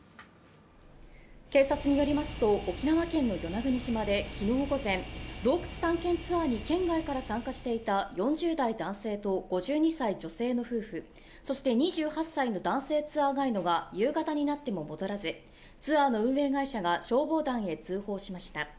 警察によりますと沖縄県の与那国島で昨日午前、洞窟探検ツアーに県外から参加していた４０代男性と５２歳女性の夫婦そして２８歳の男性ツアーガイドが夕方になっても戻らず、ツアーの運営会社が消防団へ通報しました。